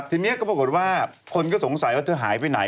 ทีนี้ก็ปรากฏว่าคนก็สงสัยว่าเธอหายไปไหน